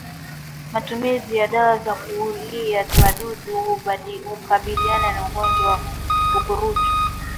Matumizi ya dawa za kuulia wadudu hukabiliana na ugonjwa wa ukurutu